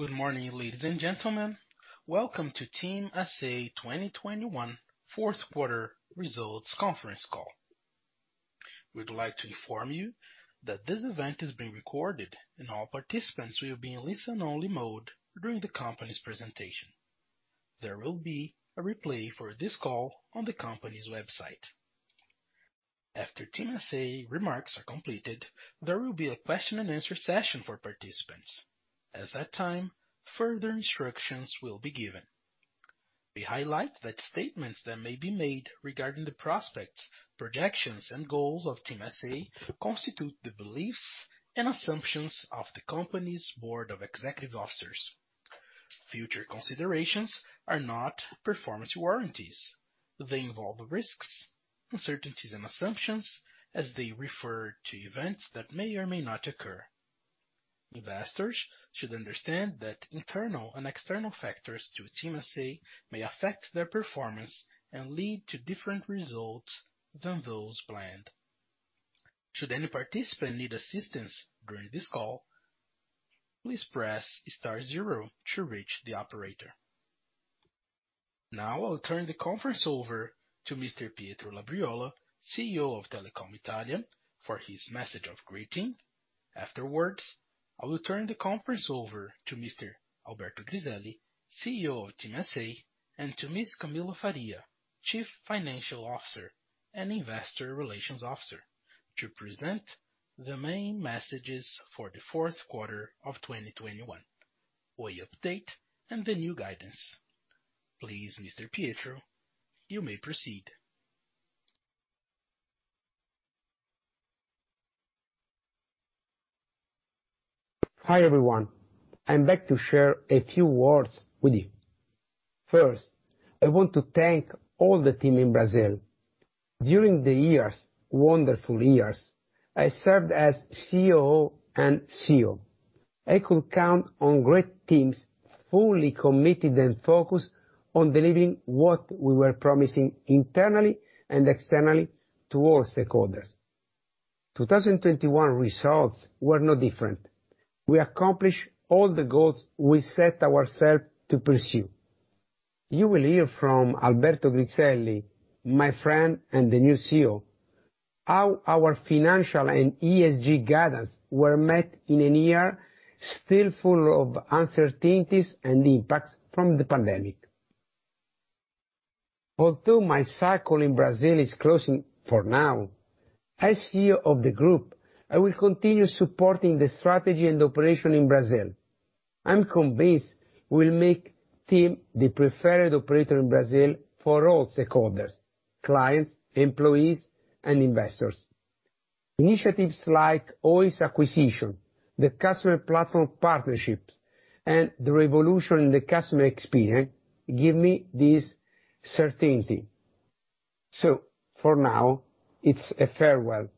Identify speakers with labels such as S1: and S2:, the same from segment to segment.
S1: Good morning, ladies and gentlemen. Welcome to TIM S.A. 2021 Q4 results conference call. We'd like to inform you that this event is being recorded and all participants will be in listen only mode during the company's presentation. There will be a replay for this call on the company's website. After TIM S.A. remarks are completed, there will be a question and answer session for participants. At that time, further instructions will be given. We highlight that statements that may be made regarding the prospects, projections and goals of TIM S.A. constitute the beliefs and assumptions of the company's board of executive officers. Future considerations are not performance warranties. They involve risks, uncertainties and assumptions as they refer to events that may or may not occur. Investors should understand that internal and external factors to TIM S.A. may affect their performance and lead to different results than those planned. Should any participant need assistance during this call, please press star zero to reach the operator. Now I will turn the conference over to Mr. Pietro Labriola, CEO of Telecom Italia, for his message of greeting. Afterwards, I will turn the conference over to Mr. Alberto Griselli, CEO of TIM S.A., and to Ms. Camille Faria, Chief Financial Officer and Investor Relations Officer, to present the main messages for the Q4 of 2021, Oi update and the new guidance. Please, Mr. Pietro, you may proceed.
S2: Hi, everyone. I'm back to share a few words with you. First, I want to thank all the team in Brazil. During the years, wonderful years, I served as COO and CEO. I could count on great teams, fully committed and focused on delivering what we were promising internally and externally to all stakeholders. 2021 results were no different. We accomplished all the goals we set ourselves to pursue. You will hear from Alberto Griselli, my friend and the new CEO, how our financial and ESG guidance were met in a year still full of uncertainties and impacts from the pandemic. Although my cycle in Brazil is closing for now, as CEO of the group, I will continue supporting the strategy and operation in Brazil. I'm convinced we'll make TIM the preferred operator in Brazil for all stakeholders, clients, employees, and investors. Initiatives like Oi's acquisition, the customer platform partnerships, and the revolution in the customer experience give me this certainty. For now, it's a farewell.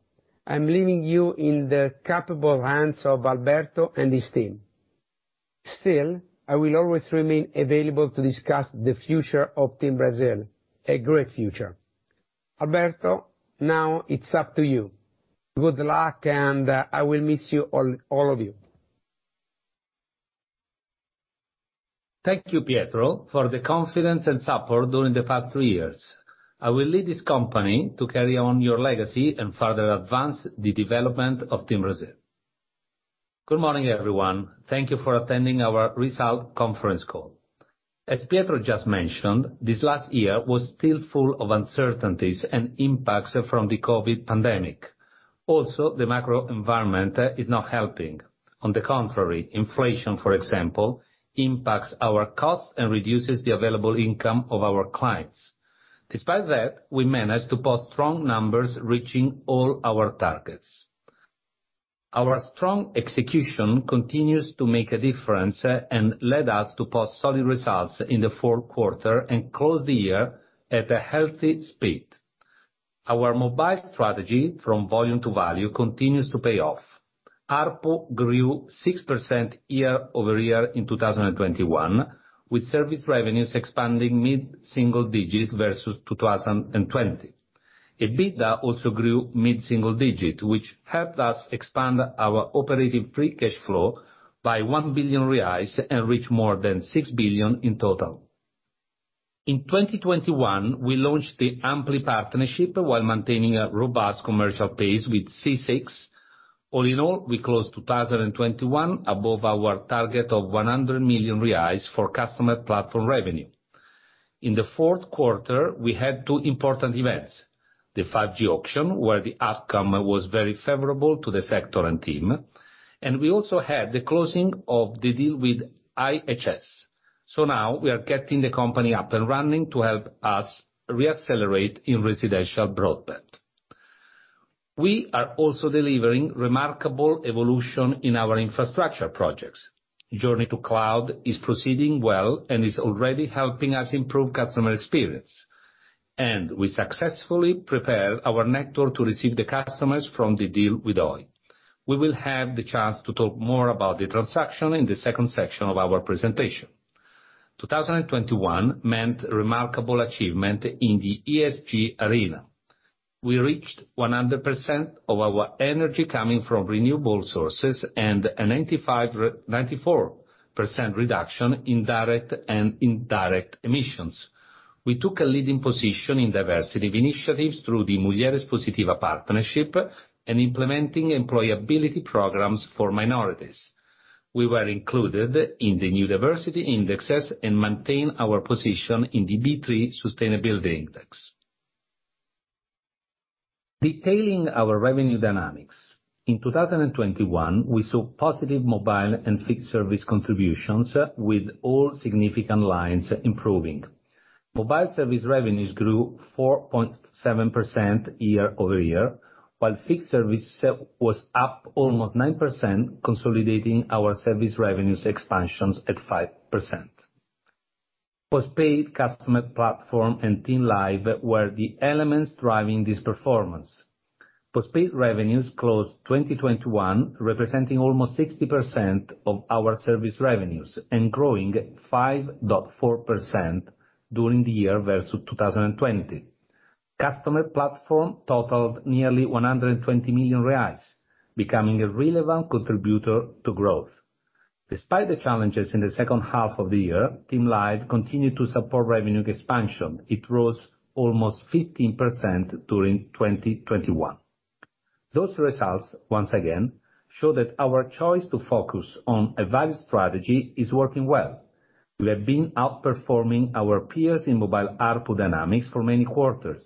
S2: I'm leaving you in the capable hands of Alberto and his team. Still, I will always remain available to discuss the future of TIM Brasil, a great future. Alberto, now it's up to you. Good luck, and I will miss you, all of you.
S3: Thank you, Pietro, for the confidence and support during the past three years. I will lead this company to carry on your legacy and further advance the development of TIM Brasil. Good morning, everyone. Thank you for attending our results conference call. As Pietro just mentioned, this last year was still full of uncertainties and impacts from the COVID pandemic. Also, the macro environment is not helping. On the contrary, inflation, for example, impacts our costs and reduces the available income of our clients. Despite that, we managed to post strong numbers, reaching all our targets. Our strong execution continues to make a difference and led us to post solid results in the Q4 and close the year at a healthy speed. Our mobile strategy from volume to value continues to pay off. ARPU grew 6% year-over-year in 2021, with service revenues expanding mid-single digit versus 2020. EBITDA also grew mid-single digit, which helped us expand our operating free cash flow by 1 billion reais and reach more than 6 billion in total. In 2021, we launched the Ampli partnership while maintaining a robust commercial pace with Sesi. All in all, we closed 2021 above our target of 100 million reais for customer platform revenue. In the Q4, we had two important events. The 5G auction, where the outcome was very favorable to the sector and TIM. We also had the closing of the deal with IHS. Now we are getting the company up and running to help us re-accelerate in residential broadband. We are also delivering remarkable evolution in our infrastructure projects. Journey to Cloud is proceeding well and is already helping us improve customer experience. We successfully prepared our network to receive the customers from the deal with Oi. We will have the chance to talk more about the transaction in the second section of our presentation. 2021 meant remarkable achievement in the ESG arena. We reached 100% of our energy coming from renewable sources and a 94% reduction in direct and indirect emissions. We took a leading position in diversity initiatives through the Mulheres Positivas partnership and implementing employability programs for minorities. We were included in the new diversity indexes and maintain our position in the B3 Sustainability Index. Detailing our revenue dynamics. In 2021, we saw positive mobile and fixed service contributions with all significant lines improving. Mobile service revenues grew 4.7% year-over-year, while fixed service was up almost 9%, consolidating our service revenues expansions at 5%. Postpaid customer platform and TIM Live were the elements driving this performance. Postpaid revenues closed 2021 representing almost 60% of our service revenues and growing 5.4% during the year versus 2020. Customer platform totaled nearly 120 million reais, becoming a relevant contributor to growth. Despite the challenges in the second half of the year, TIM Live continued to support revenue expansion. It rose almost 15% during 2021. Those results, once again, show that our choice to focus on a value strategy is working well. We have been outperforming our peers in mobile ARPU dynamics for many quarters.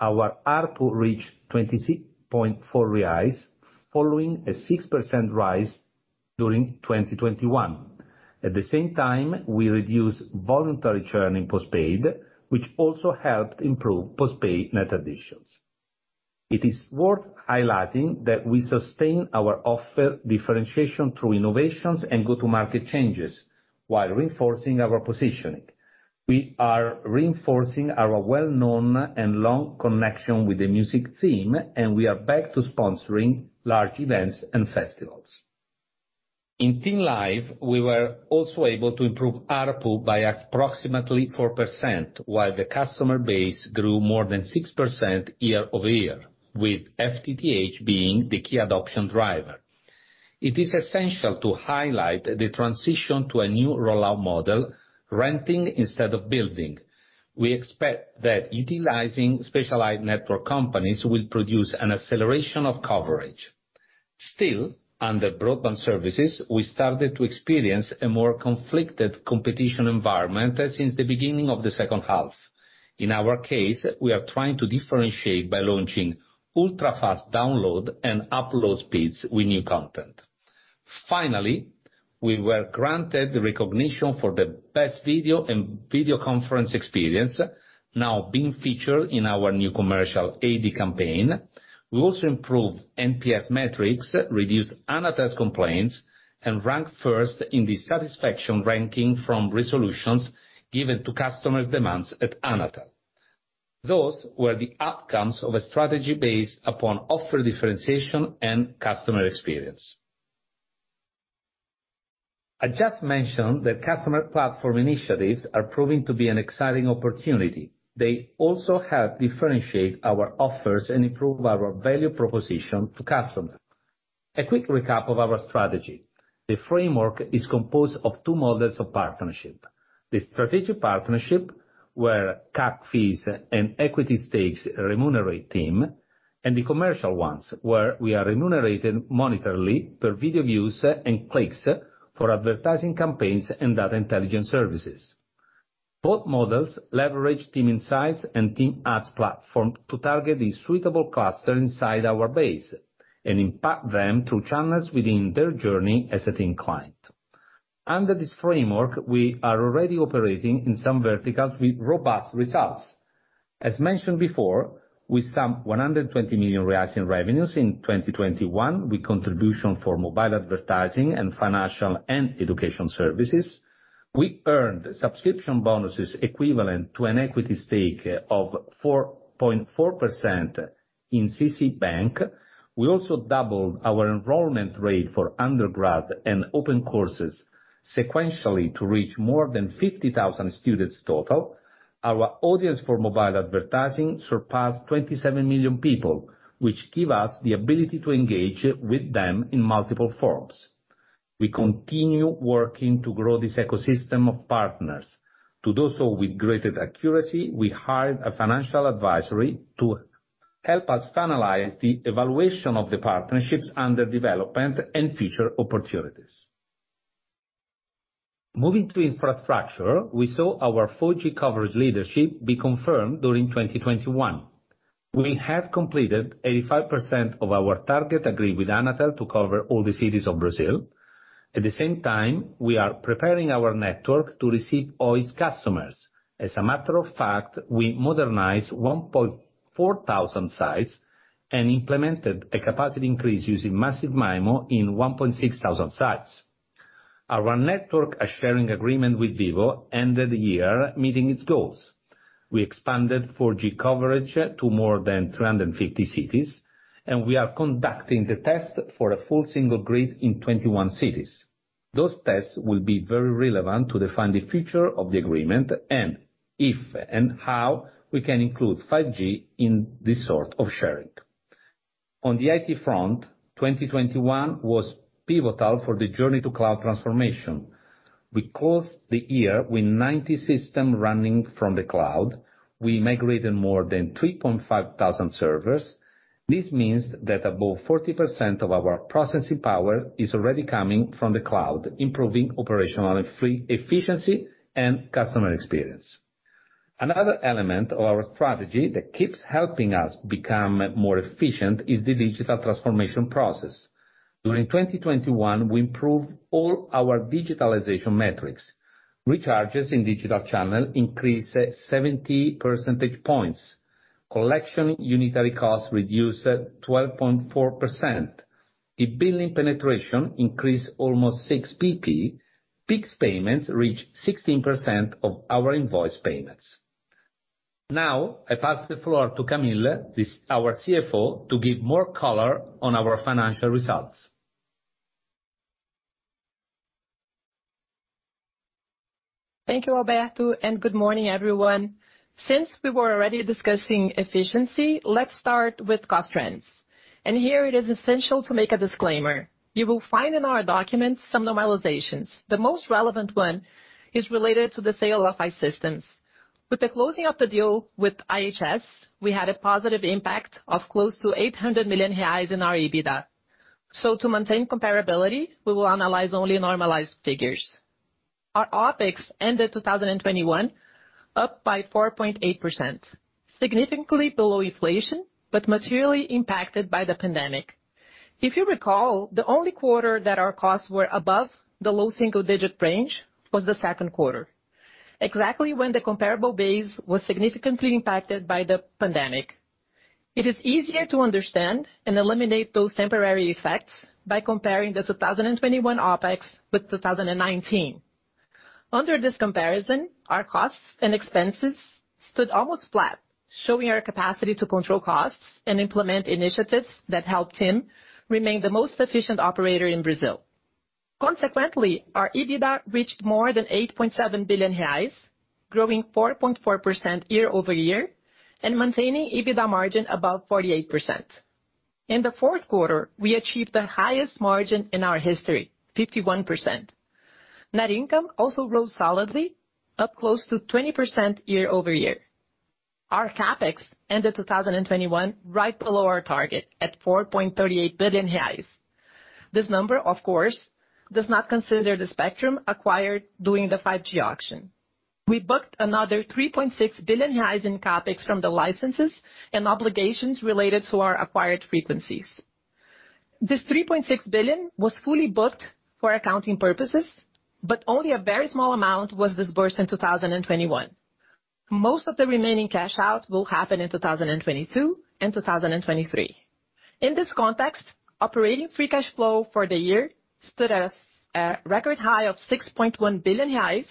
S3: Our ARPU reached 26.4 reais, following a 6% rise during 2021. At the same time, we reduced voluntary churn in postpaid, which also helped improve postpaid net additions. It is worth highlighting that we sustain our offer differentiation through innovations and go-to-market changes while reinforcing our positioning. We are reinforcing our well-known and long connection with the music scene, and we are back to sponsoring large events and festivals. In TIM Live, we were also able to improve ARPU by approximately 4%, while the customer base grew more than 6% year over year, with FTTH being the key adoption driver. It is essential to highlight the transition to a new rollout model, renting instead of building. We expect that utilizing specialized network companies will produce an acceleration of coverage. Still, under broadband services, we started to experience a more conflicted competition environment since the beginning of the second half. In our case, we are trying to differentiate by launching ultra-fast download and upload speeds with new content. Finally, we were granted recognition for the best video and video conference experience, now being featured in our new commercial ad campaign. We also improved NPS metrics, reduced Anatel's complaints, and ranked first in the satisfaction ranking from resolutions given to customers' demands at Anatel. Those were the outcomes of a strategy based upon offer differentiation and customer experience. I just mentioned that customer platform initiatives are proving to be an exciting opportunity. They also help differentiate our offers and improve our value proposition to customers. A quick recap of our strategy. The framework is composed of two models of partnership. The strategic partnership, where CAC fees and equity stakes remunerate TIM, and the commercial ones, where we are remunerated monetarily per video views and clicks for advertising campaigns and data intelligence services. Both models leverage TIM Insights and TIM Ads platform to target the suitable cluster inside our base and impact them through channels within their journey as a TIM client. Under this framework, we are already operating in some verticals with robust results. As mentioned before, we sum 120 million reais in revenues in 2021, with contribution for mobile advertising and financial and education services. We earned subscription bonuses equivalent to an equity stake of 4.4% in C6 Bank. We also doubled our enrollment rate for undergrad and open courses sequentially to reach more than 50,000 students total. Our audience for mobile advertising surpassed 27 million people, which give us the ability to engage with them in multiple forms. We continue working to grow this ecosystem of partners. To do so with greater accuracy, we hired a financial advisory to help us analyze the valuation of the partnerships under development and future opportunities. Moving to infrastructure, we saw our 4G coverage leadership be confirmed during 2021. We have completed 85% of our target agreed with Anatel to cover all the cities of Brazil. At the same time, we are preparing our network to receive Oi’s customers. As a matter of fact, we modernized 1,400 sites and implemented a capacity increase using Massive MIMO in 1,600 sites. Our network sharing agreement with Vivo ended the year meeting its goals. We expanded 4G coverage to more than 350 cities, and we are conducting the test for a full single grid in 21 cities. Those tests will be very relevant to define the future of the agreement, and if and how we can include 5G in this sort of sharing. On the IT front, 2021 was pivotal for the journey to cloud transformation. We closed the year with 90 systems running from the cloud. We migrated more than 3,500 servers. This means that above 40% of our processing power is already coming from the cloud, improving operational efficiency and customer experience. Another element of our strategy that keeps helping us become more efficient is the digital transformation process. During 2021, we improved all our digitalization metrics. Recharges in digital channel increased 70 percentage points. Collection unitary costs reduced 12.4%. E-billing penetration increased almost 6 percentage points. Pix payments reached 16% of our invoice payments. Now I pass the floor to Camille, our CFO, to give more color on our financial results.
S4: Thank you, Alberto, and good morning, everyone. Since we were already discussing efficiency, let's start with cost trends. Here it is essential to make a disclaimer. You will find in our documents some normalizations. The most relevant one is related to the sale of I-Systems. With the closing of the deal with IHS, we had a positive impact of close to 800 million reais in our EBITDA. To maintain comparability, we will analyze only normalized figures. Our OpEx ended 2021 up by 4.8%, significantly below inflation, but materially impacted by the pandemic. If you recall, the only quarter that our costs were above the low single digit range was the Q2. Exactly when the comparable base was significantly impacted by the pandemic. It is easier to understand and eliminate those temporary effects by comparing the 2021 OpEx with 2019. Under this comparison, our costs and expenses stood almost flat, showing our capacity to control costs and implement initiatives that helped TIM remain the most efficient operator in Brazil. Consequently, our EBITDA reached more than 8.7 billion reais, growing 4.4% year over year, and maintaining EBITDA margin above 48%. In the Q4, we achieved the highest margin in our history, 51%. Net income also grew solidly up close to 20% year over year. Our CapEx ended 2021 right below our target at 4.38 billion. This number, of course, does not consider the spectrum acquired during the 5G auction. We booked another 3.6 billion reais in CapEx from the licenses and obligations related to our acquired frequencies. This 3.6 billion was fully booked for accounting purposes, but only a very small amount was disbursed in 2021. Most of the remaining cash out will happen in 2022 and 2023. In this context, operating free cash flow for the year stood at a record high of 6.1 billion reais,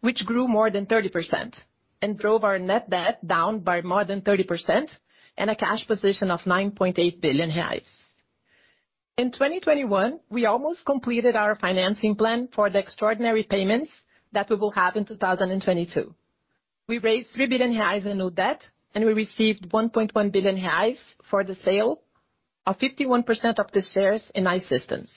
S4: which grew more than 30% and drove our net debt down by more than 30%, and a cash position of 9.8 billion reais. In 2021, we almost completed our financing plan for the extraordinary payments that we will have in 2022. We raised 3 billion reais in new debt, and we received 1.1 billion reais for the sale of 51% of the shares in I-Systems.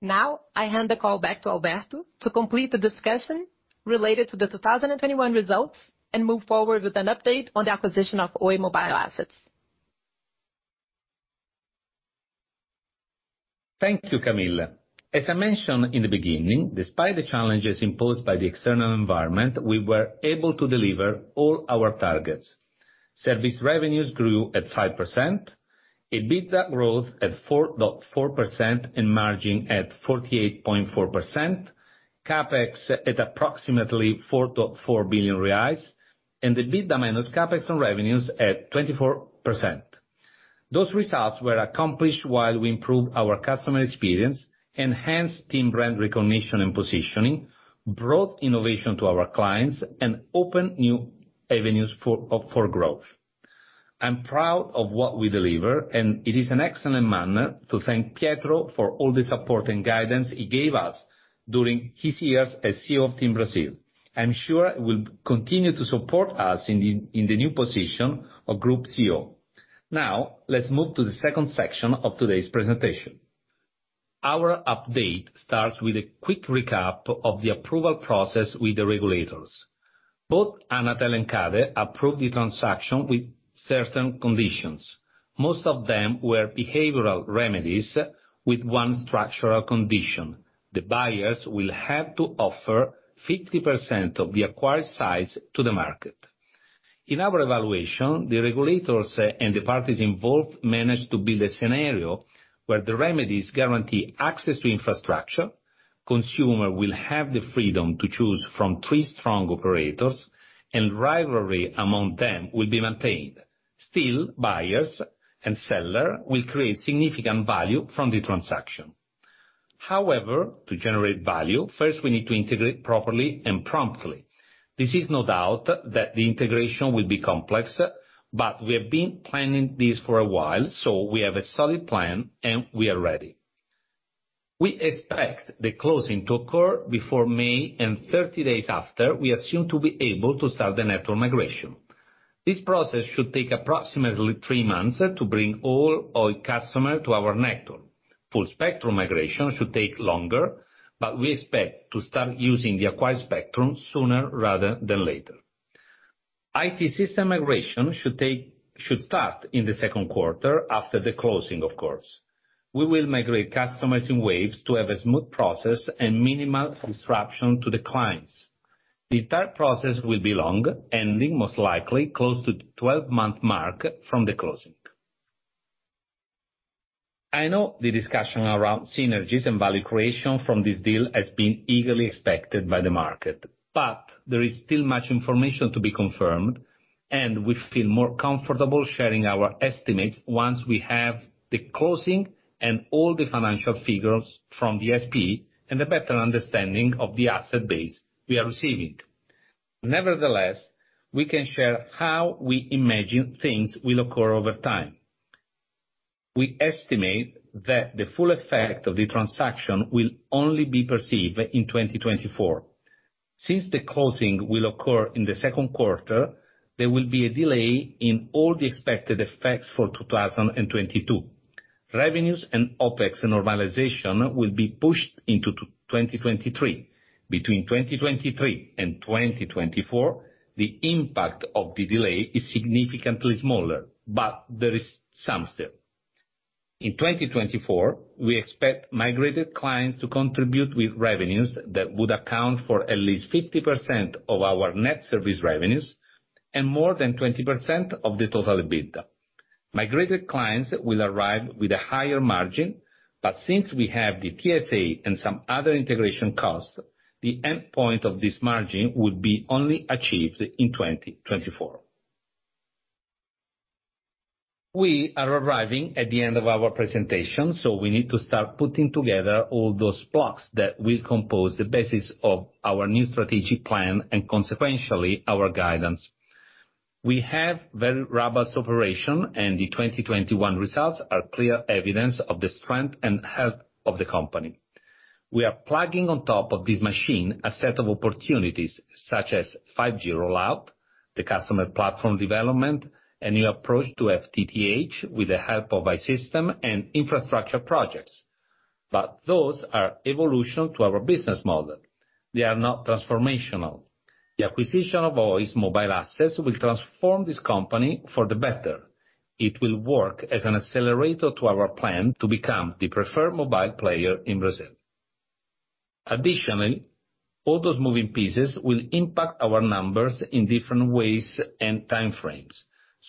S4: Now I hand the call back to Alberto to complete the discussion related to the 2021 results and move forward with an update on the acquisition of Oi mobile assets.
S3: Thank you, Camille. As I mentioned in the beginning, despite the challenges imposed by the external environment, we were able to deliver all our targets. Service revenues grew at 5%. EBITDA growth at 4.4%, and margin at 48.4%. CapEx at approximately 4.4 billion reais, and EBITDA minus CapEx on revenues at 24%. Those results were accomplished while we improved our customer experience, enhanced TIM brand recognition and positioning, brought innovation to our clients, and opened new avenues for growth. I'm proud of what we deliver, and it is an excellent manner to thank Pietro for all the support and guidance he gave us during his years as CEO of TIM Brasil. I'm sure he will continue to support us in the new position of group CEO. Now, let's move to the second section of today's presentation. Our update starts with a quick recap of the approval process with the regulators. Both Anatel and CADE approved the transaction with certain conditions. Most of them were behavioral remedies with one structural condition. The buyers will have to offer 50% of the acquired sites to the market. In our evaluation, the regulators and the parties involved managed to build a scenario where the remedies guarantee access to infrastructure, consumer will have the freedom to choose from three strong operators, and rivalry among them will be maintained. Still, buyers and seller will create significant value from the transaction. However, to generate value, first we need to integrate properly and promptly. There's no doubt that the integration will be complex, but we have been planning this for a while, so we have a solid plan, and we are ready. We expect the closing to occur before May, and 30 days after we assume to be able to start the network migration. This process should take approximately three months to bring all Oi customers to our network. Full spectrum migration should take longer, but we expect to start using the acquired spectrum sooner rather than later. IT system migration should start in the Q2 after the closing, of course. We will migrate customers in waves to have a smooth process and minimal disruption to the clients. The entire process will be long, ending most likely close to the 12-month mark from the closing. I know the discussion around synergies and value creation from this deal has been eagerly expected by the market, but there is still much information to be confirmed, and we feel more comfortable sharing our estimates once we have the closing and all the financial figures from the SPE and a better understanding of the asset base we are receiving. Nevertheless, we can share how we imagine things will occur over time. We estimate that the full effect of the transaction will only be perceived in 2024. Since the closing will occur in the Q2, there will be a delay in all the expected effects for 2022. Revenues and OpEx normalization will be pushed into 2023. Between 2023 and 2024, the impact of the delay is significantly smaller, but there is some still. In 2024, we expect migrated clients to contribute with revenues that would account for at least 50% of our net service revenues and more than 20% of the total EBITDA. Migrated clients will arrive with a higher margin, but since we have the TSA and some other integration costs, the endpoint of this margin would be only achieved in 2024. We are arriving at the end of our presentation, so we need to start putting together all those blocks that will compose the basis of our new strategic plan and consequentially, our guidance. We have very robust operation, and the 2021 results are clear evidence of the strength and health of the company. We are plugging on top of this machine a set of opportunities such as 5G rollout, the customer platform development, a new approach to FTTH with the help of I-Systems and infrastructure projects. Those are evolution to our business model. They are not transformational. The acquisition of Oi's mobile assets will transform this company for the better. It will work as an accelerator to our plan to become the preferred mobile player in Brazil. Additionally, all those moving pieces will impact our numbers in different ways and time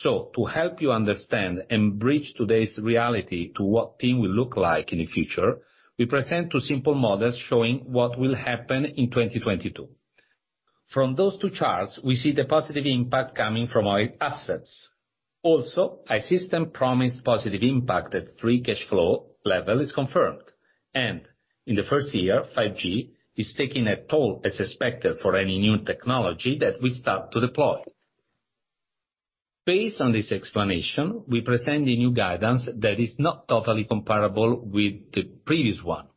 S3: frames. To help you understand and bridge today's reality to what things will look like in the future, we present two simple models showing what will happen in 2022. From those two charts, we see the positive impact coming from Oi assets. Also, I-Systems promised positive impact at free cash flow level is confirmed. In the first year, 5G is taking a toll as expected for any new technology that we start to deploy. Based on this explanation, we present a new guidance that is not totally comparable with the previous one.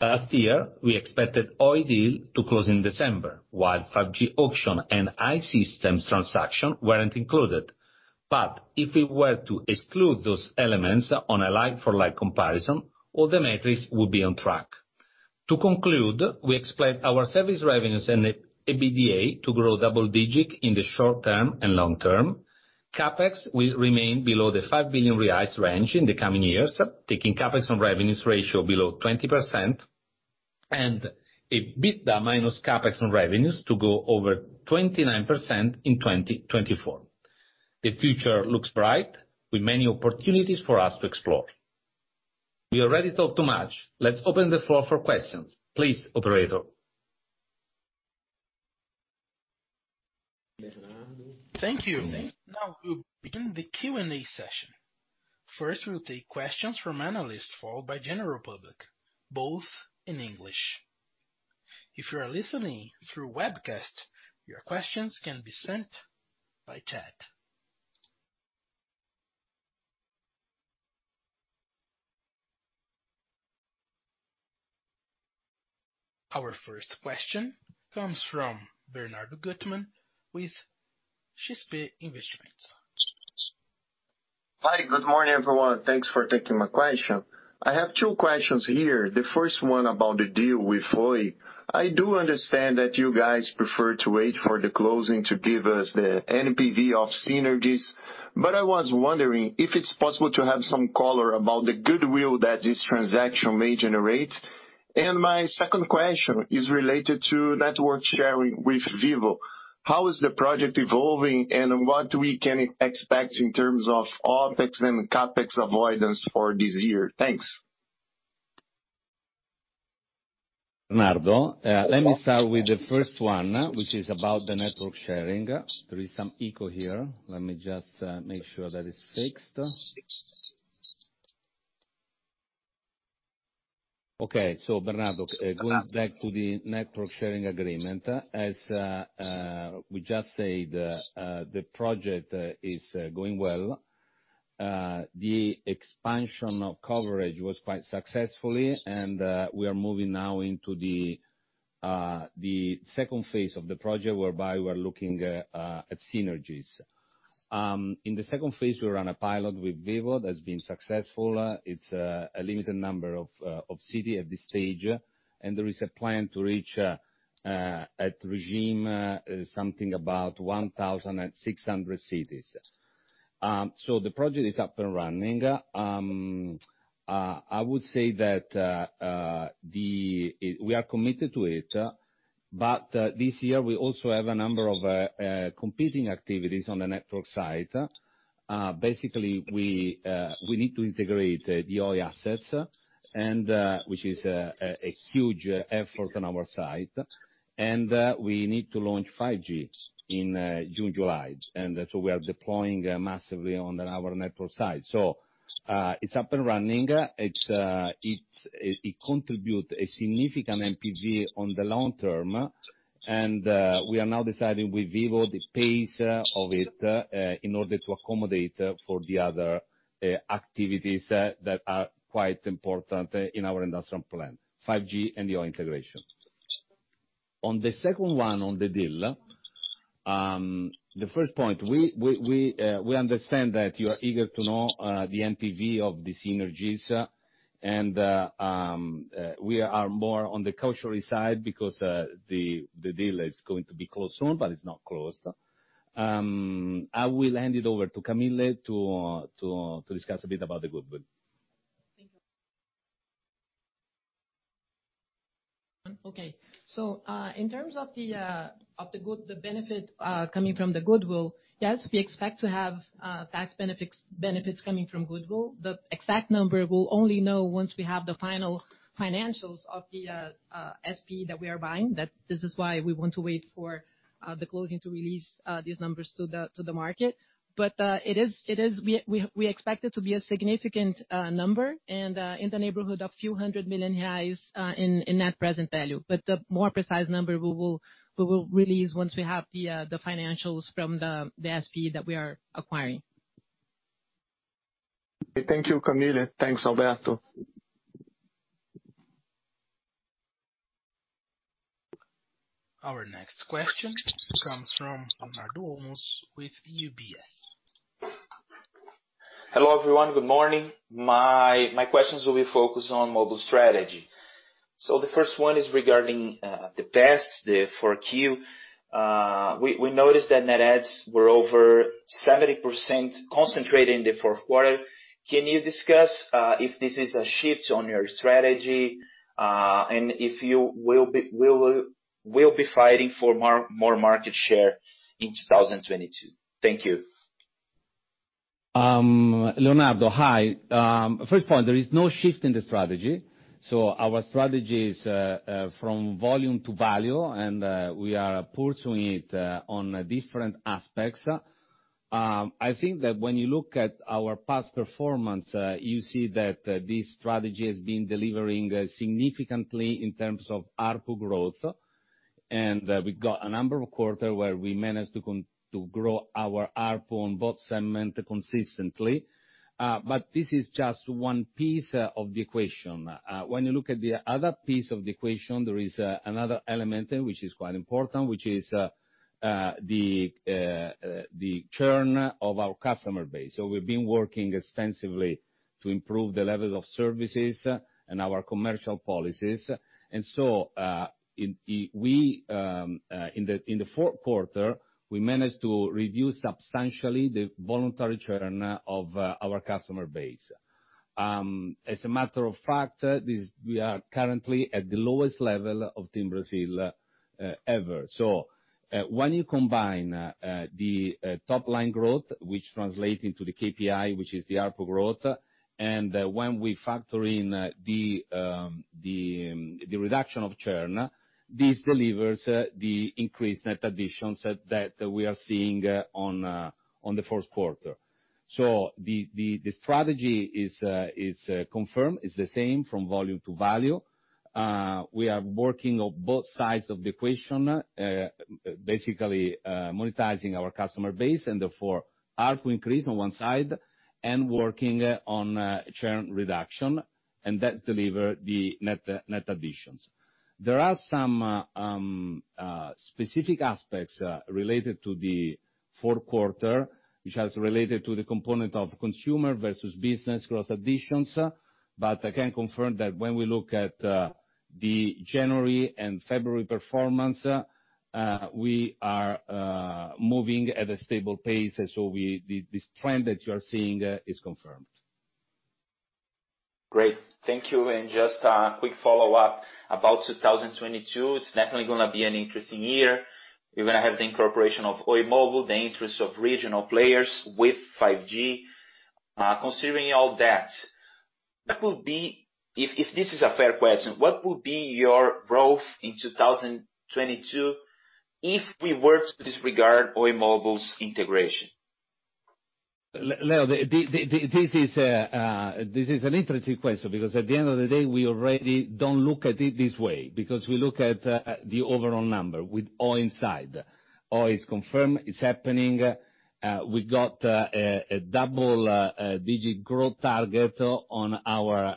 S3: Last year, we expected Oi deal to close in December, while 5G auction and I-Systems transaction weren't included. If we were to exclude those elements on a like-for-like comparison, all the metrics would be on track. To conclude, we expect our service revenues and the EBITDA to grow double digit in the short term and long term. CapEx will remain below the 5 billion reais range in the coming years, taking CapEx on revenues ratio below 20%, and EBITDA minus CapEx on revenues to go over 29% in 2024. The future looks bright with many opportunities for us to explore. We already talked too much. Let's open the floor for questions. Please, operator.
S1: Thank you. Now we'll begin the Q&A session. First, we'll take questions from analysts, followed by general public, both in English. If you are listening through webcast, your questions can be sent by chat. Our first question comes from Bernardo Guttmann with XP Investments.
S5: Hi. Good morning, everyone. Thanks for taking my question. I have two questions here. The first one about the deal with Oi. I do understand that you guys prefer to wait for the closing to give us the NPV of synergies. I was wondering if it's possible to have some color about the goodwill that this transaction may generate. My second question is related to network sharing with Vivo. How is the project evolving, and what we can expect in terms of OpEx and CapEx avoidance for this year? Thanks.
S3: Bernardo, let me start with the first one, which is about the network sharing. There is some echo here. Let me just make sure that is fixed. Okay, Bernardo, going back to the network sharing agreement. As we just said, the project is going well. The expansion of coverage was quite successful, and we are moving now into the second phase of the project whereby we're looking at synergies. In the second phase, we run a pilot with Vivo that's been successful. It's a limited number of cities at this stage, and there is a plan to reach a regime of something about 1,600 cities. The project is up and running. I would say that we are committed to it, but this year, we also have a number of competing activities on the network side. Basically, we need to integrate the Oi assets, which is a huge effort on our side. We need to launch 5G in June, July. We are deploying massively on our network side. It's up and running. It contributes a significant NPV in the long term, and we are now deciding with Vivo the pace of it in order to accommodate for the other activities that are quite important in our industrial plan, 5G and the integration. On the second one on the deal, the first point, we understand that you are eager to know the NPV of the synergies, and we are more on the cautious side because the deal is going to be closed soon, but it's not closed. I will hand it over to Camille to discuss a bit about the goodwill.
S4: Thank you. Okay. In terms of the benefit coming from the goodwill, yes, we expect to have tax benefits coming from goodwill. The exact number we'll only know once we have the final financials of the SPE that we are buying. That's why we want to wait for the closing to release these numbers to the market. But we expect it to be a significant number and in the neighborhood of a few 100 million reais in net present value. But the more precise number we will release once we have the financials from the SPE that we are acquiring.
S5: Thank you, Camille. Thanks, Alberto.
S1: Our next question comes from Leonardo Olmos with UBS.
S6: Hello, everyone. Good morning. My questions will be focused on mobile strategy. The first one is regarding the past 4Q. We noticed that net adds were over 70% concentrated in the Q4. Can you discuss if this is a shift on your strategy and if you will be fighting for more market share in 2022? Thank you.
S3: Leonardo, hi. First point, there is no shift in the strategy. Our strategy is from volume to value, and we are pursuing it on different aspects. I think that when you look at our past performance, you see that this strategy has been delivering significantly in terms of ARPU growth. We've got a number of quarter where we managed to grow our ARPU on both segment consistently. This is just one piece of the equation. When you look at the other piece of the equation, there is another element which is quite important, which is the churn of our customer base. We've been working extensively to improve the levels of services and our commercial policies. We in the Q4 managed to reduce substantially the voluntary churn of our customer base. As a matter of fact, we are currently at the lowest level of TIM Brasil ever. When you combine the top line growth, which translate into the KPI, which is the ARPU growth, and when we factor in the reduction of churn, this delivers the increased net additions that we are seeing on the Q4. The strategy is confirmed, is the same from volume to value. We are working on both sides of the equation, basically, monetizing our customer base, and therefore ARPU increase on one side and working on churn reduction, and that deliver the net additions. There are some specific aspects related to the Q4, which has related to the component of consumer versus business growth additions. I can confirm that when we look at the January and February performance, we are moving at a stable pace. This trend that you are seeing is confirmed.
S6: Great. Thank you. Just a quick follow-up about 2022. It's definitely gonna be an interesting year. You're gonna have the incorporation of Oi mobile, the interest of regional players with 5G. Considering all that, what would be. If this is a fair question, what would be your growth in 2022 if we were to disregard Oi mobile's integration?
S3: Leonardo, this is an interesting question because at the end of the day, we already don't look at it this way because we look at the overall number with Oi inside. Oi is confirmed, it's happening. We've got a double-digit growth target on our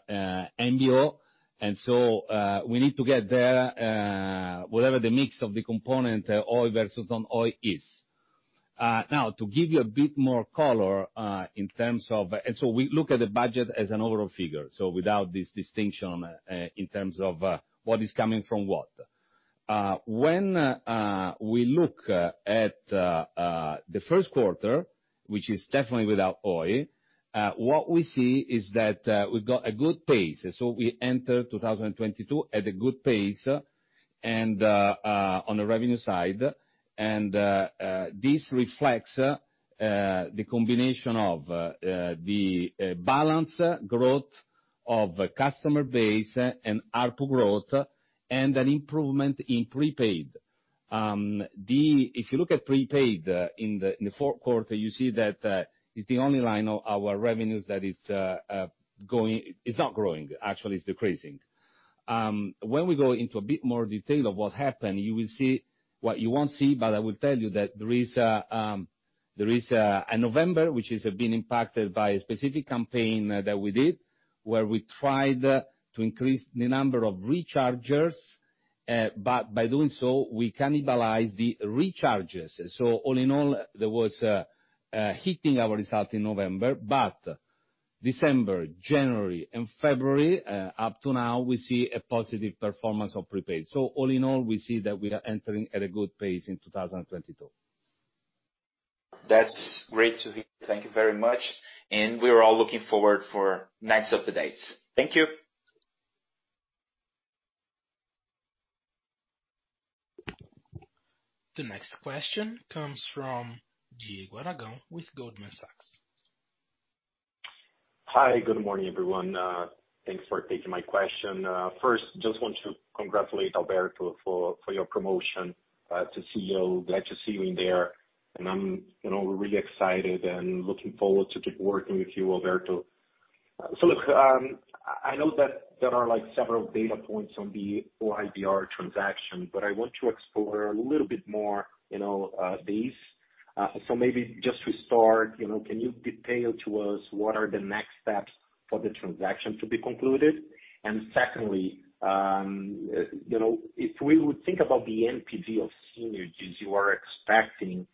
S3: MBO. We need to get there whatever the mix of the component Oi versus non-Oi is. Now, to give you a bit more color, we look at the budget as an overall figure, so without this distinction in terms of what is coming from what. When we look at the Q1, which is definitely without Oi, what we see is that we've got a good pace. We enter 2022 at a good pace, and on the revenue side. This reflects the balanced growth of customer base and ARPU growth and an improvement in prepaid. If you look at prepaid in the Q4, you see that it's the only line of our revenues that is going. It's not growing, actually, it's decreasing. When we go into a bit more detail of what happened, you will see what you won't see, but I will tell you that there is a November, which has been impacted by a specific campaign that we did, where we tried to increase the number of rechargers. But by doing so, we cannibalize the recharges. All in all, there was hitting our result in November. December, January, and February, up to now, we see a positive performance of prepaid. All in all, we see that we are entering at a good pace in 2022.
S6: That's great to hear. Thank you very much. We're all looking forward for next updates. Thank you.
S1: The next question comes from Diego Aragão with Goldman Sachs.
S7: Hi, good morning, everyone. Thanks for taking my question. First, I just want to congratulate Alberto for your promotion to CEO. Glad to see you in there. I'm, you know, really excited and looking forward to keep working with you, Alberto. Look, I know that there are like several data points on the Oi BR transaction, but I want to explore a little bit more, you know, these. Maybe just to start, you know, can you detail to us what are the next steps for the transaction to be concluded? Secondly, you know, if we would think about the NPV of synergies you are expecting,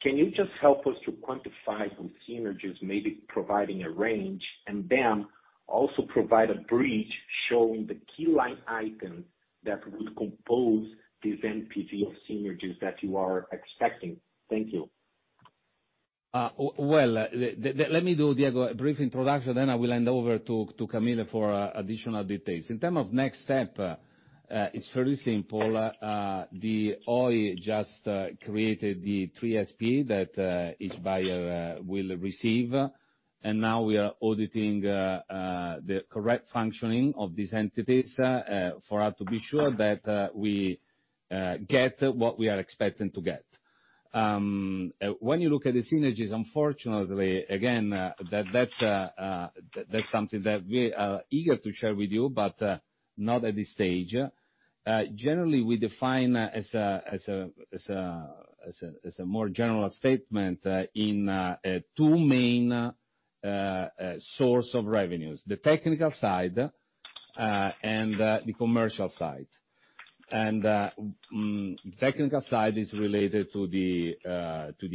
S7: can you just help us to quantify those synergies, maybe providing a range, and then also provide a bridge showing the key line items that would compose this NPV of synergies that you are expecting? Thank you.
S3: Let me do, Diego, a brief introduction, then I will hand over to Camille for additional details. In terms of next step, it's very simple. The Oi just created the three SPE that each buyer will receive. Now we are auditing the correct functioning of these entities for us to be sure that we get what we are expecting to get. When you look at the synergies, unfortunately, again, that's something that we are eager to share with you, but not at this stage. Generally, we define as a more general statement in two main sources of revenues, the technical side and the commercial side. Technical side is related to the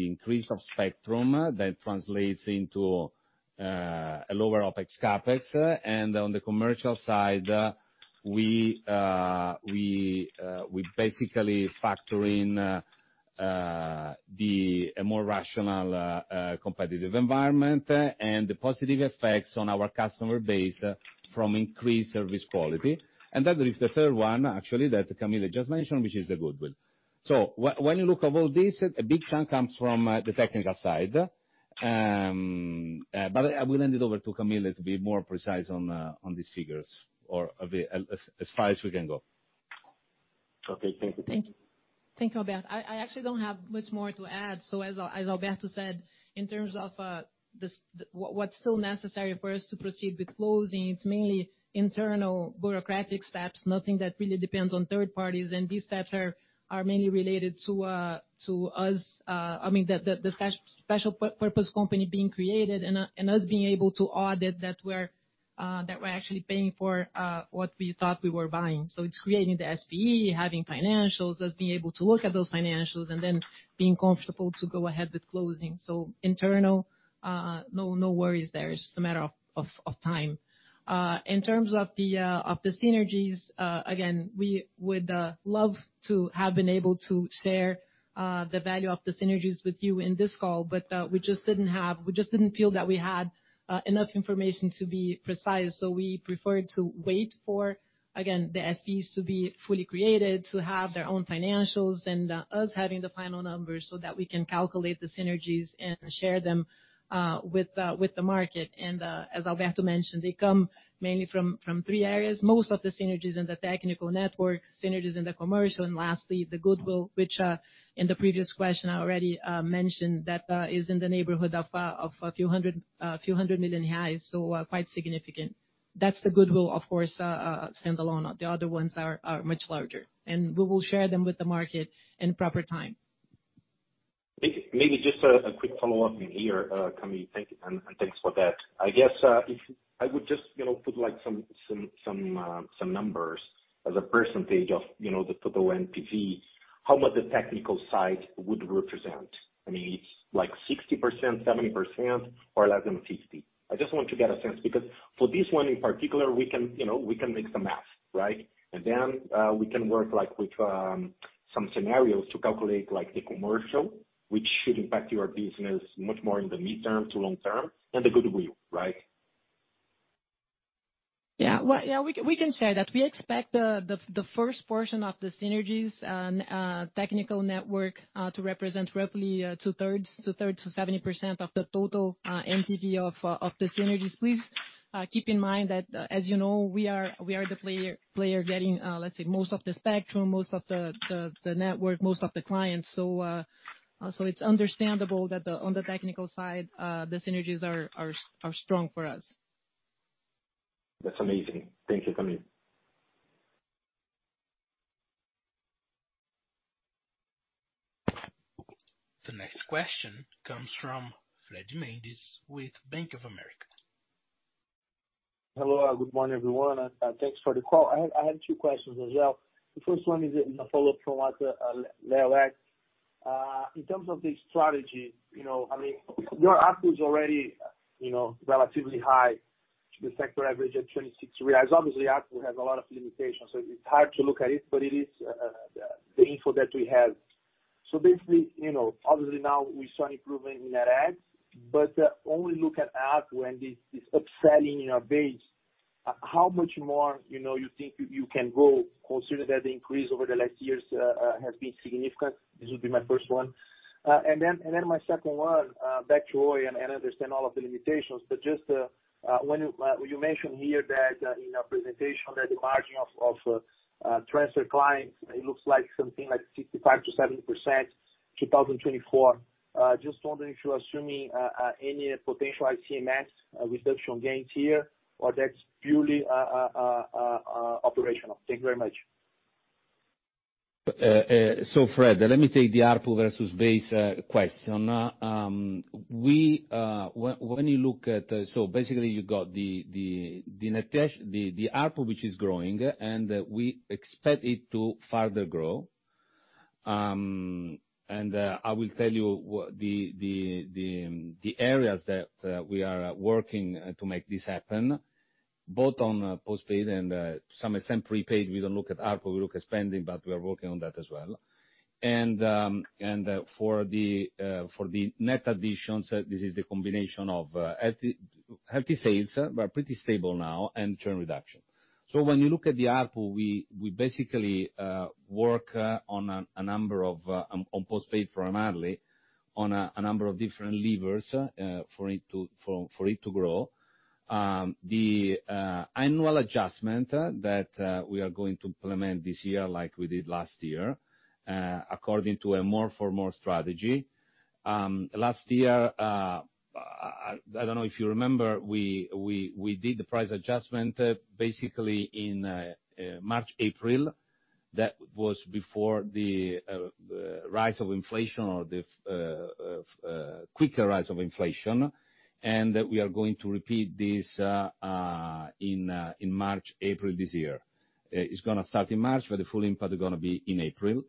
S3: increase of spectrum that translates into a lower OpEx, CapEx. On the commercial side, we basically factor in the more rational competitive environment and the positive effects on our customer base from increased service quality. There is the third one, actually, that Camille just mentioned, which is the goodwill. When you look at all this, a big chunk comes from the technical side. I will hand it over to Camille to be more precise on these figures or as far as we can go.
S7: Okay, thank you.
S3: Thank you.
S4: Thank you, Alberto. I actually don't have much more to add. As Alberto said, in terms of what's still necessary for us to proceed with closing, it's mainly internal bureaucratic steps, nothing that really depends on third parties. These steps are mainly related to us, I mean the special purpose company being created and us being able to audit that we're actually paying for what we thought we were buying. It's creating the SPE, having financials, us being able to look at those financials, and then being comfortable to go ahead with closing. Internal, no worries there. It's just a matter of time. In terms of the synergies, again, we would love to have been able to share the value of the synergies with you in this call, but we just didn't feel that we had enough information to be precise. We preferred to wait for, again, the SPEs to be fully created, to have their own financials and us having the final numbers so that we can calculate the synergies and share them with the market. As Alberto mentioned, they come mainly from three areas. Most of the synergies in the technical network, synergies in the commercial, and lastly, the goodwill, which in the previous question, I already mentioned that is in the neighborhood of a few 100 million reais, so quite significant. That's the goodwill, of course, standalone. The other ones are much larger, and we will share them with the market in proper time.
S7: Maybe just a quick follow-up here, Camille. Thank you, and thanks for that. I guess, if I would just, you know, put like some numbers as a percentage of, you know, the total NPV, how much the technical side would represent. I mean, it's like 60%, 70% or less than 50%? I just want to get a sense because for this one in particular, we can, you know, we can make the math, right? Then, we can work like with some scenarios to calculate like the commercial, which should impact your business much more in the midterm to long term and the goodwill, right?
S4: Yeah. Well, we can say that we expect the first portion of the synergies, technical network, to represent roughly two-thirds to 70% of the total NPV of the synergies. Please keep in mind that, as you know, we are the player getting, let's say, most of the spectrum, most of the network, most of the clients. It's understandable that, on the technical side, the synergies are strong for us.
S7: That's amazing. Thank you, Camille.
S1: The next question comes from Frederico Mendes with Bank of America.
S8: Hello, good morning, everyone, and thanks for the call. I had two questions as well. The first one is a follow-up from what Leo asked. In terms of the strategy, you know, I mean, your ARPU is already, you know, relatively high to the sector average at 26 reais. Obviously, ARPU has a lot of limitations, so it's hard to look at it, but it is the info that we have. Basically, you know, obviously now we saw an improvement in that ad, but only look at ARPU and this upselling in our base, how much more, you know, you think you can grow considering that the increase over the last years have been significant? This will be my first one. My second one, back to Roy. I understand all of the limitations, but just when you mentioned here that in a presentation that the margin of transfer clients, it looks like something like 65%-70% 2024. Just wondering if you're assuming any potential ICMS reduction gains here or that's purely operational? Thank you very much.
S3: Fred, let me take the ARPU versus base question. When you look at, so basically you got the net attach, the ARPU, which is growing, and we expect it to further grow. I will tell you what the areas that we are working to make this happen, both on postpaid and to some extent prepaid. We don't look at ARPU, we look at spending, but we are working on that as well. For the net additions, this is the combination of healthy sales, but pretty stable now and churn reduction. When you look at the ARPU, we basically work on postpaid primarily on a number of different levers for it to grow. The annual adjustment that we are going to implement this year like we did last year according to a more for more strategy. Last year, I don't know if you remember, we did the price adjustment basically in March, April. That was before the rise of inflation or the quicker rise of inflation. We are going to repeat this in March, April this year. It's gonna start in March, but the full impact are gonna be in April.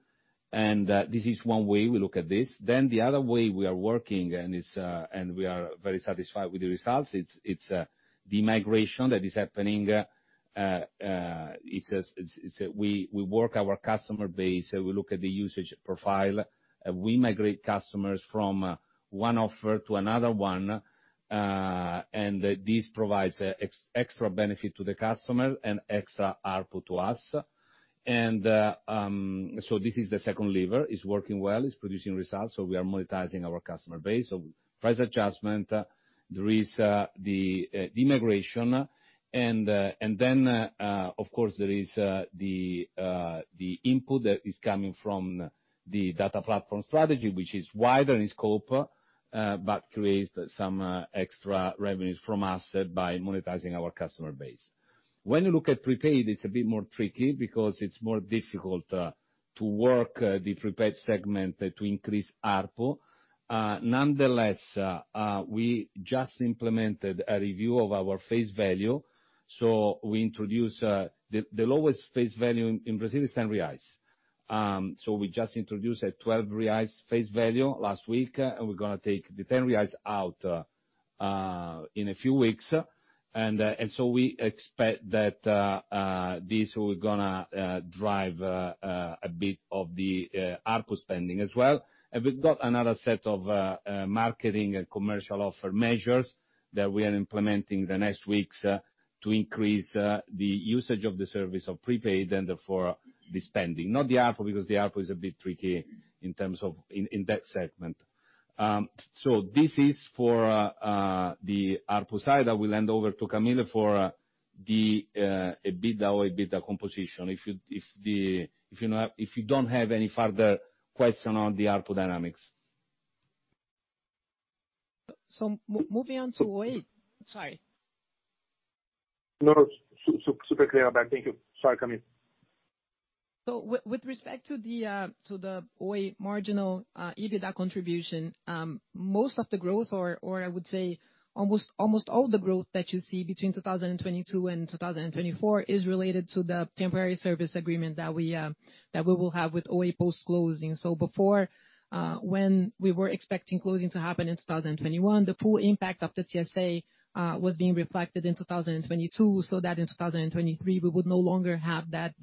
S3: This is one way we look at this. The other way we are working, and we are very satisfied with the results. It's the migration that is happening. It's a way we work our customer base. We look at the usage profile. We migrate customers from one offer to another one, and this provides extra benefit to the customer and extra ARPU to us. This is the second lever. It's working well. It's producing results, so we are monetizing our customer base. Price adjustment, there is the migration and then, of course, there is the input that is coming from the data platform strategy, which is wider in scope, but creates some extra revenues for us by monetizing our customer base. When you look at prepaid, it's a bit more tricky because it's more difficult to work the prepaid segment to increase ARPU. Nonetheless, we just implemented a review of our face value, so the lowest face value in Brazil is 10 reais. We just introduced a 12 reais face value last week, and we're gonna take the 10 reais out in a few weeks. We expect that this will gonna drive a bit of the ARPU spending as well. We've got another set of marketing and commercial offer measures that we are implementing the next weeks to increase the usage of the service of prepaid and for the spending. Not the ARPU, because the ARPU is a bit tricky in terms of that segment. This is for the ARPU side. I will hand over to Camille for the EBITDA composition if you don't have any further question on the ARPU dynamics.
S4: Moving on to Oi, sorry.
S8: No, super clear, thank you. Sorry, Camille.
S4: With respect to the Oi marginal EBITDA contribution, most of the growth or I would say almost all the growth that you see between 2022 and 2024 is related to the temporary service agreement that we will have with Oi post-closing. Before, when we were expecting closing to happen in 2021, the full impact of the TSA was being reflected in 2022, so that in 2023 we would no longer have that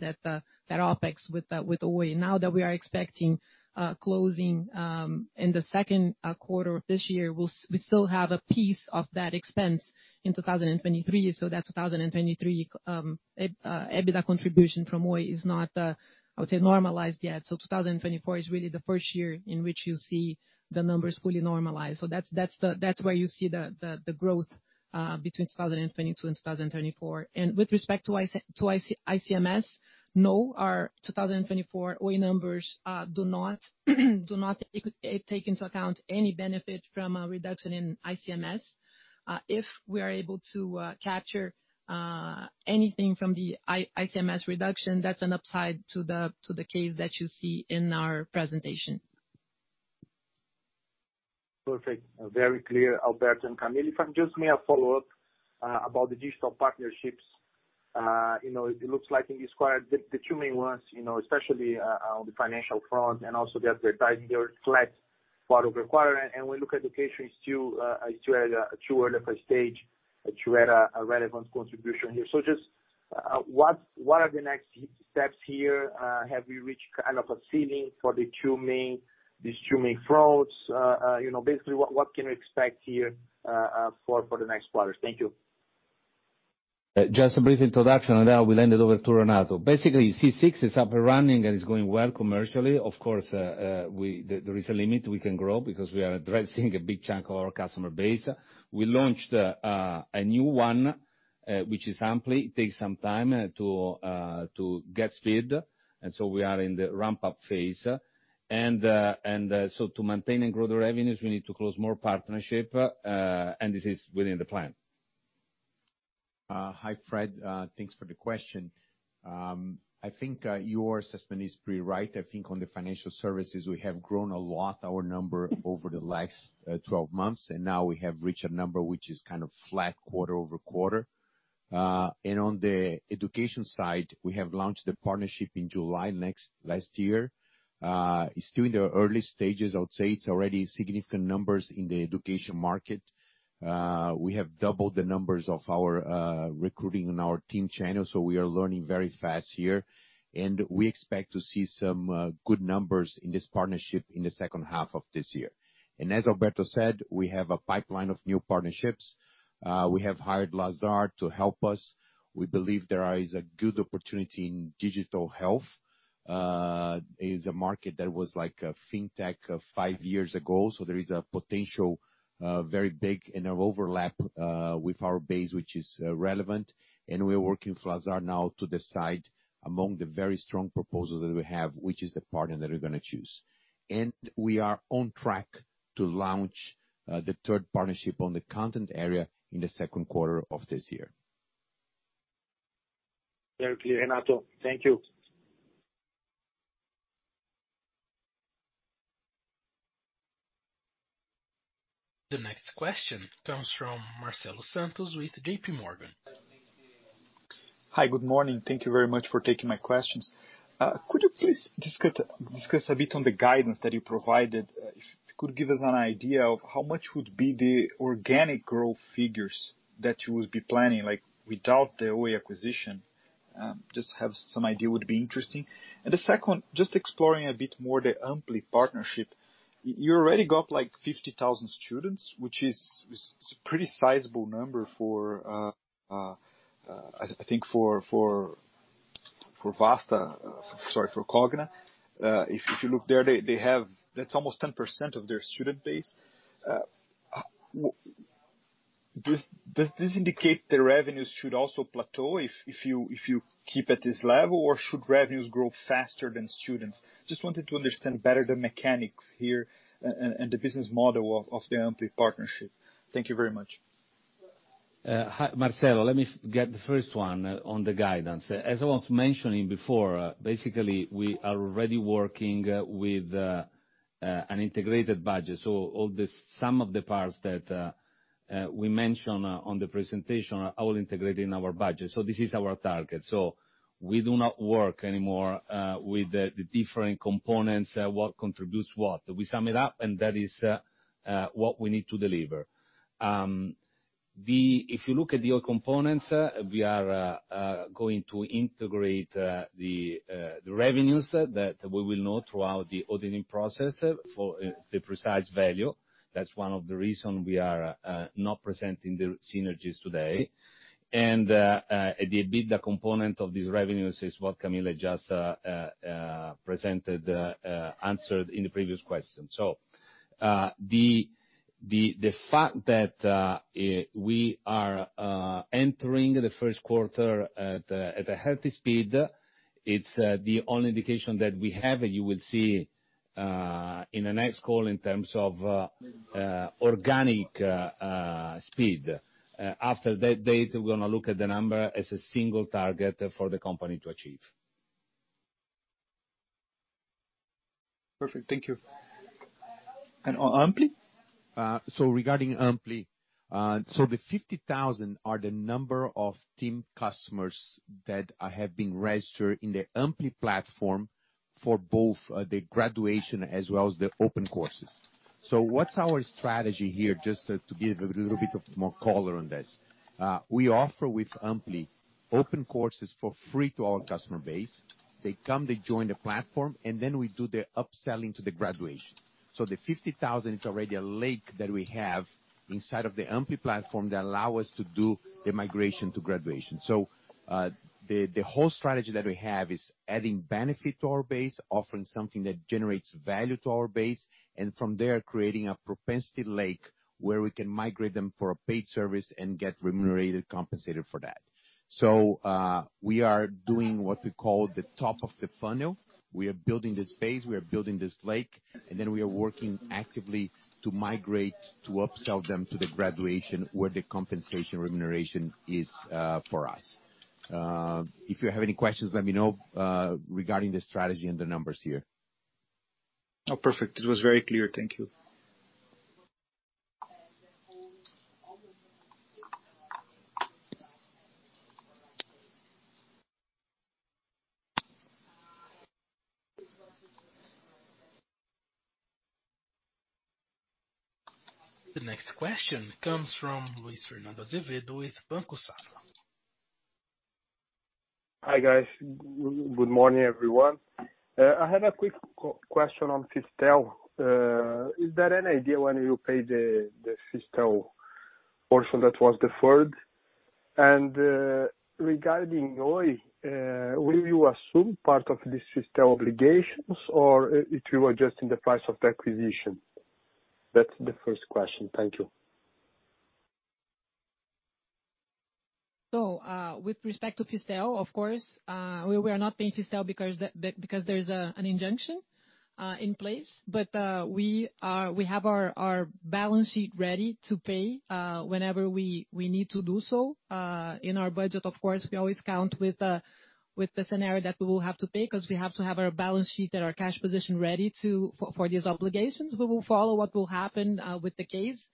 S4: OpEx with Oi. Now that we are expecting closing in the Q2 of this year, we still have a piece of that expense in 2023. That 2023 EBITDA contribution from Oi is not, I would say, normalized yet. 2024 is really the first year in which you'll see the numbers fully normalized. That's where you see the growth between 2022 and 2024. With respect to ICMS, no, our 2024 Oi numbers do not take into account any benefit from a reduction in ICMS. If we are able to capture anything from the ICMS reduction, that's an upside to the case that you see in our presentation.
S8: Perfect. Very clear, Alberto and Camille. If I just may a follow-up about the digital partnerships. You know, it looks like in this quarter the two main ones, you know, especially on the financial front and also the advertising, they're flat quarter-over-quarter. We look at education, it's still at a first stage, a relevant contribution here. Just what are the next steps here? Have you reached kind of a ceiling for the two main, these two main fronts? You know, basically what can we expect here for the next quarters? Thank you.
S3: Just a brief introduction, and then I will hand it over to Renato. Basically, C6 is up and running and is going well commercially. Of course, there is a limit we can grow because we are addressing a big chunk of our customer base. We launched a new one, which is Ampli. It takes some time to get speed, and so we are in the ramp-up phase. So to maintain and grow the revenues, we need to close more partnership, and this is within the plan.
S9: Hi, Fred. Thanks for the question. I think your assessment is pretty right. I think on the financial services we have grown a lot our number over the last 12 months, and now we have reached a number which is kind of flat quarter-over-quarter. On the education side, we have launched the partnership in July last year. It's still in the early stages. I would say it's already significant numbers in the education market. We have doubled the numbers of our recruiting on our TIM channel, so we are learning very fast here. We expect to see some good numbers in this partnership in the second half of this year. As Alberto said, we have a pipeline of new partnerships. We have hired Lazard to help us. We believe there is a good opportunity in digital health. It is a market that was like a fintech five years ago, so there is a potential, very big in our overlap, with our base, which is relevant. We are working with Lazard now to decide among the very strong proposals that we have, which is the partner that we're gonna choose. We are on track to launch, the third partnership on the content area in the Q2 of this year.
S8: Very clear, Renato. Thank you.
S1: The next question comes from Marcelo Santos with JP Morgan.
S10: Hi, good morning. Thank you very much for taking my questions. Could you please discuss a bit on the guidance that you provided? If you could give us an idea of how much would be the organic growth figures that you would be planning, like without the Oi acquisition. Just to have some idea would be interesting. The second, just exploring a bit more the Ampli partnership. You already got like 50,000 students, which is pretty sizable number for, I think for Vasta, sorry, for Cogna. If you look there, they have. That's almost 10% of their student base. Does this indicate the revenues should also plateau if you keep at this level? Or should revenues grow faster than students? Just wanted to understand better the mechanics here and the business model of the Ampli partnership. Thank you very much.
S3: Hi, Marcelo. Let me get the first one on the guidance. As I was mentioning before, basically we are already working with an integrated budget. Some of the parts that we mentioned on the presentation are all integrated in our budget. This is our target. We do not work anymore with the different components what contributes what. We sum it up, and that is what we need to deliver. If you look at the Oi components, we are going to integrate the revenues that we will know throughout the auditing process for the precise value. That's one of the reason we are not presenting the synergies today. The EBITDA component of these revenues is what Camille just presented and answered in the previous question. The fact that we are entering the Q1 at a healthy speed, it's the only indication that we have. You will see. In the next call in terms of organic speed. After that date, we're gonna look at the number as a single target for the company to achieve.
S10: Perfect. Thank you. Ampli?
S9: Regarding Ampli, the 50,000 are the number of TIM customers that have been registered in the Ampli platform for both the graduation as well as the open courses. What's our strategy here, just to give a little bit of more color on this. We offer with Ampli open courses for free to our customer base. They come, they join the platform, and then we do the upselling to the graduation. The 50,000 is already a lake that we have inside of the Ampli platform that allow us to do the migration to graduation. The whole strategy that we have is adding benefit to our base, offering something that generates value to our base, and from there, creating a propensity lake where we can migrate them for a paid service and get remunerated, compensated for that. We are doing what we call the top of the funnel. We are building this base, we are building this lake, and then we are working actively to migrate, to upsell them to the graduation where the compensation remuneration is, for us. If you have any questions, let me know, regarding the strategy and the numbers here.
S10: No, perfect. It was very clear. Thank you.
S1: The next question comes from Luis Fernando Azevedo with Banco Safra.
S11: Hi, guys. Good morning, everyone. I have a quick question on Fistel. Is there any idea when you'll pay the Fistel portion that was deferred? Regarding Oi, will you assume part of this Fistel obligations, or if you are adjusting the price of the acquisition? That's the first question. Thank you.
S4: With respect to Fistel, of course, we are not paying Fistel because there's an injunction in place. We have our balance sheet ready to pay whenever we need to do so. In our budget, of course, we always count with the scenario that we will have to pay 'cause we have to have our balance sheet and our cash position ready for these obligations. We will follow what will happen with the case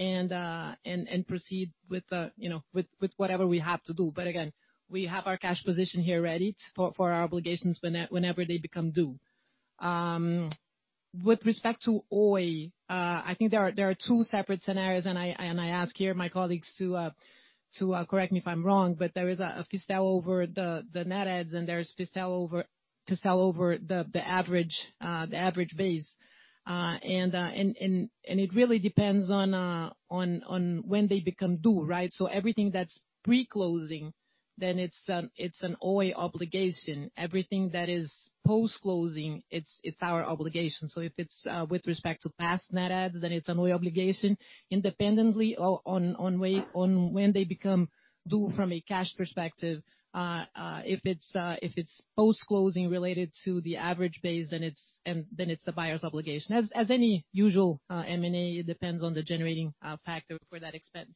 S4: and proceed with, you know, with whatever we have to do. Again, we have our cash position here ready for our obligations whenever they become due. With respect to Oi, I think there are two separate scenarios, and I ask here my colleagues to correct me if I'm wrong, but there is a Fistel over the net adds and there's Fistel over the average base. It really depends on when they become due, right? Everything that's pre-closing, it's an Oi obligation. Everything that is post-closing, it's our obligation. If it's with respect to past net adds, then it's an Oi obligation independently on when they become due from a cash perspective. If it's post-closing related to the average base, then it's the buyer's obligation. As any usual M&A, it depends on the generating factor for that expense.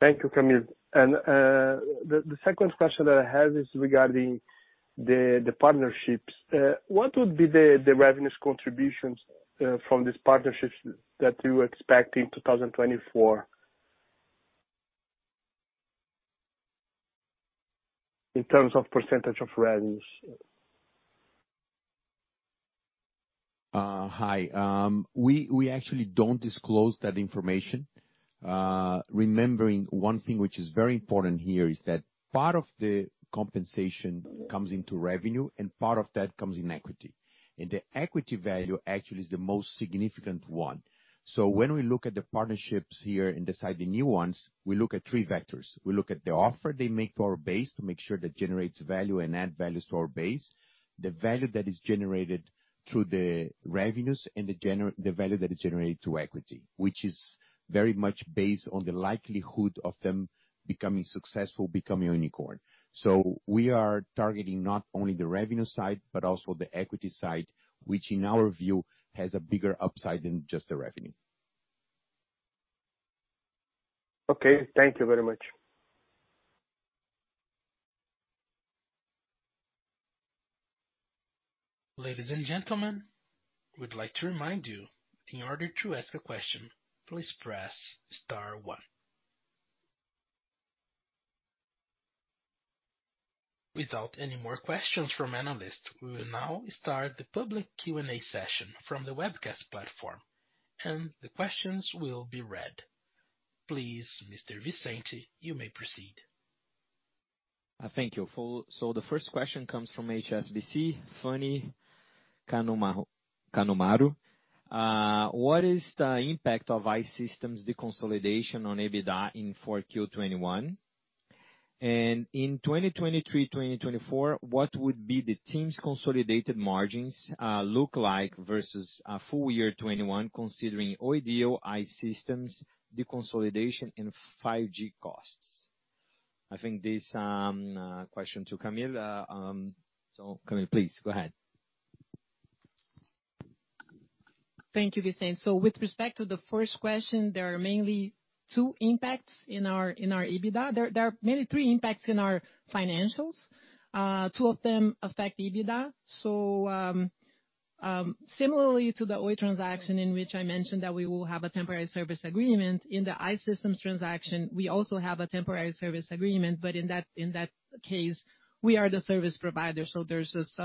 S11: Thank you, Camille. The second question that I have is regarding the partnerships. What would be the revenue contributions from these partnerships that you expect in 2024? In terms of % of revenues.
S9: Hi. We actually don't disclose that information. Remembering one thing which is very important here is that part of the compensation comes into revenue and part of that comes in equity. The equity value actually is the most significant one. When we look at the partnerships here and decide the new ones, we look at three vectors. We look at the offer they make to our base to make sure that generates value and add values to our base, the value that is generated through the revenues, and the value that is generated through equity, which is very much based on the likelihood of them becoming successful, becoming unicorn. We are targeting not only the revenue side, but also the equity side, which in our view has a bigger upside than just the revenue.
S11: Okay. Thank you very much.
S1: Ladies and gentlemen, we'd like to remind you, in order to ask a question, please press star one. Without any more questions from analysts, we will now start the public Q&A session from the webcast platform, and the questions will be read. Please, Mr. Vicente, you may proceed.
S12: Thank you. The first question comes from HSBC, Fanny Kanamaru. What is the impact of I-Systems deconsolidation on EBITDA in 4Q 2021? And in 2023, 2024, what would be the TIM's consolidated margins look like versus full year 2021, considering Oi deal, I-Systems deconsolidation and 5G costs? I think this question to Camila. Camila, please go ahead.
S4: Thank you, Vicente. With respect to the first question, there are mainly two impacts in our EBITDA. There are mainly three impacts in our financials. Two of them affect the EBITDA. Similarly to the Oi transaction in which I mentioned that we will have a temporary service agreement, in the I-Systems transaction, we also have a temporary service agreement, but in that case, we are the service provider. There's this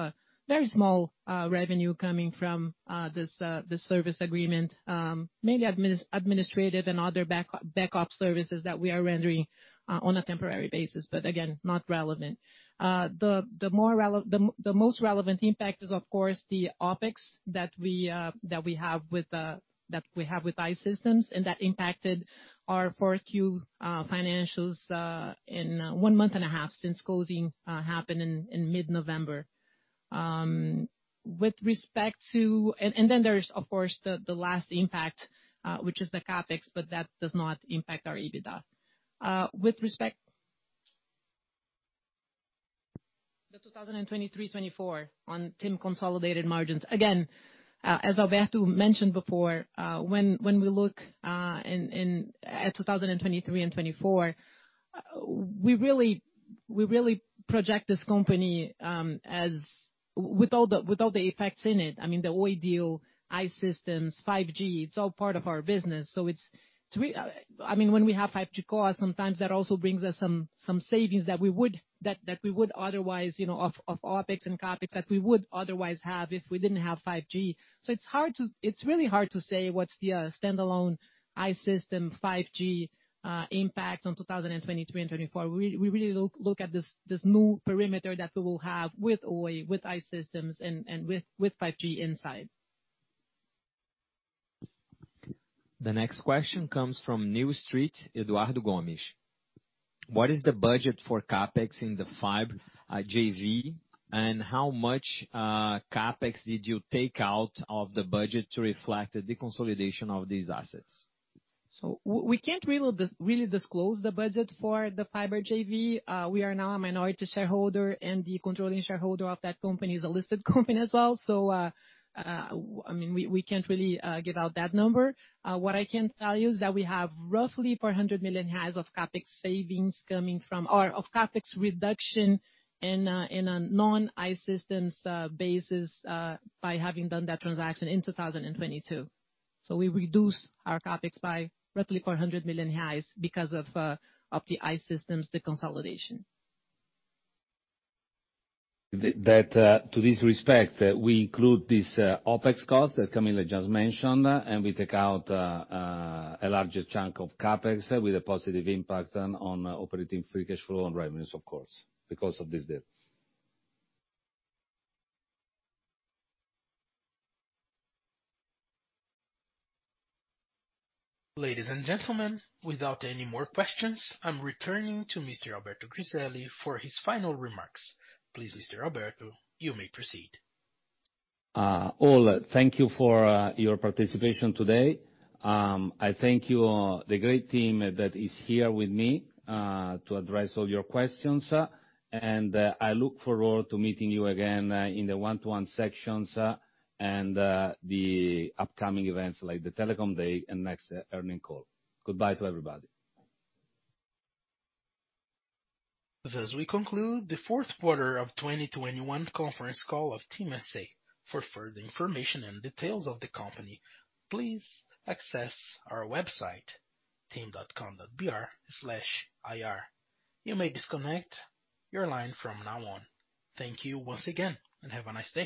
S4: very small revenue coming from this service agreement. Mainly administrative and other backup services that we are rendering on a temporary basis, but again, not relevant. The most relevant impact is, of course, the OpEx that we have with I-Systems, and that impacted our Q4 financials in one month and a half since closing happened in mid-November. And then there is the last impact, Which is the CapEx, but that does not impact our EBITDA. With respect to the 2023-2024 one TIM consolidated margins. Again, as Alberto mentioned before, when we look at 2023 and 2024, we really project this company as with all the effects in it. I mean, the Oi deal, I-Systems, 5G, it's all part of our business. It's three. I mean, when we have 5G core, sometimes that also brings us some savings that we would otherwise, you know, of OpEx and CapEx that we would otherwise have if we didn't have 5G. It's really hard to say what's the standalone I-Systems 5G impact on 2023 and 2024. We really look at this new perimeter that we will have with Oi, with I-Systems and with 5G inside.
S12: The next question comes from New Street, Eduardo Gomes. What is the budget for CapEx in the fiber JV? How much CapEx did you take out of the budget to reflect the deconsolidation of these assets?
S4: We can't really disclose the budget for the fiber JV. We are now a minority shareholder, and the controlling shareholder of that company is a listed company as well. I mean, we can't really give out that number. What I can tell you is that we have roughly 400 million of CapEx savings coming from or of CapEx reduction in a non-I-Systems basis by having done that transaction in 2022. We reduce our CapEx by roughly 400 million reais because of the I-Systems deconsolidation.
S3: To this respect, we include this OpEx cost that Camille just mentioned, and we take out a larger chunk of CapEx with a positive impact on operating free cash flow and revenues, of course, because of these deals.
S1: Ladies and gentlemen, without any more questions, I'm returning to Mr. Alberto Griselli for his final remarks. Please, Mr. Alberto, you may proceed.
S3: All, thank you for your participation today. I thank you all, the great team that is here with me, to address all your questions. I look forward to meeting you again in the one-to-one sections and the upcoming events like the TIM Day and next earnings call. Goodbye to everybody.
S1: Thus we conclude the Q4 of 2021 conference call of TIM S.A. For further information and details of the company, please access our website, tim.com.br/ir. You may disconnect your line from now on. Thank you once again, and have a nice day.